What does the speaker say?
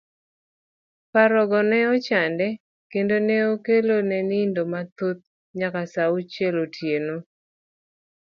Parogo ne ochande kendo ne okelo ne nindo mathoth nya sa auchiel otieno.